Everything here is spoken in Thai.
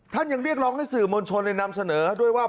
ท่านยังเรียกร้องให้สื่อมณชนเลยนำเสนอด้วยว่า